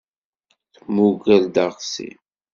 Tmugger-d aɣsi.